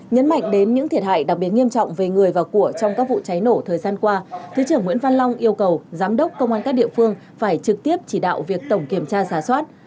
nhấn mạnh đến những thiệt hại đặc biệt nghiêm trọng về người và của trong các vụ cháy nổ thời gian qua thứ trưởng nguyễn văn long yêu cầu giám đốc công an các địa phương phải trực tiếp chỉ đạo việc tổng kiểm tra giả soát